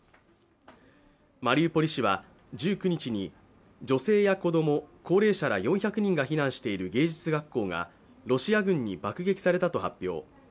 マリウポリ市は１９日に女性や子供、高齢者ら４００人が避難している芸術学校が、ロシア軍に爆撃されたと発表。